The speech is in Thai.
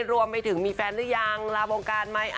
รวมไปถึงมีแฟนหรือยังลาวงการไหม